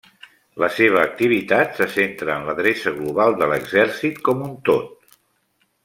La seva activitat se centra en l'adreça global de l'Exèrcit com un tot.